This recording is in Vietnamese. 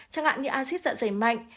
chẳng hạn như axit dặn dày mạnh